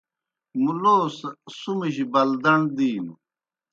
مُلوس سُمِجیْ بَلدَݨ دِینوْ۔